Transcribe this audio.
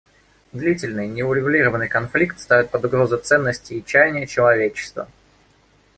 Длительный, неурегулированный конфликт ставит под угрозу ценности и чаяния человечества.